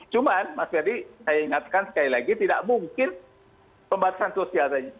cuman mas ferry saya ingatkan sekali lagi tidak mungkin pembatasan sosial saja